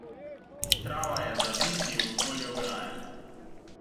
Trava je zaviti okoli ograje.